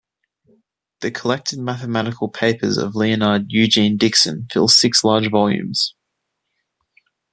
The "Collected Mathematical Papers of Leonard Eugene Dickson" fill six large volumes.